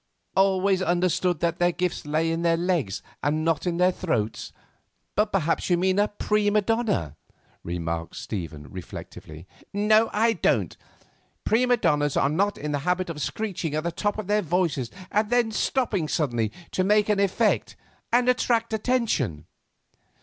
"Always understood that their gifts lay in their legs and not in their throats. But perhaps you mean a prima donna," remarked Stephen reflectively. "No, I don't. Prima donnas are not in the habit of screeching at the top of their voices, and then stopping suddenly to make an effect and attract attention."